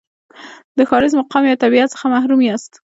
د ښاریز مقام یا تابعیت څخه محروم یاست.